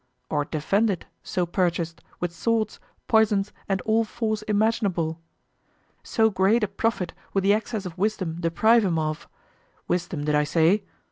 or defend it, so purchased, with swords, poisons, and all force imaginable? so great a profit would the access of wisdom deprive him of wisdom did I say?